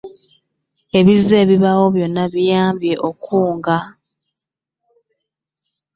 Ebizze bibaawo byonna binnyambye okukuguka.